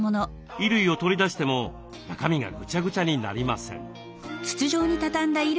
衣類を取り出しても中身がぐちゃぐちゃになりません。